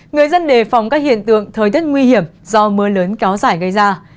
người dân đề phòng các hiện tượng thời tiết nguy hiểm do mưa lớn kéo dài gây ra